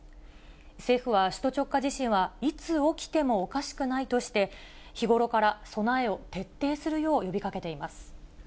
政府は、首都直下地震はいつ起きてもおかしくないとして、日頃から備えを徹底するよう呼びかけています。